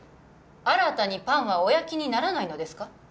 新たにパンはお焼きにならないのですか？